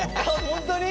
本当に？